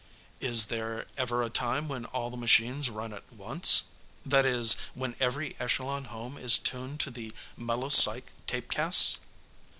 "Is there ever a time when all the machines run at once? That is, when every Echelon home is tuned to the melopsych tapecasts?"